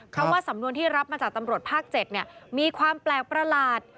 เพราะว่าสำนวนที่รับมาจากตำรวจภาค๗มีความแปลกประหลาด